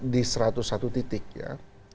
di satu ratus satu titik ya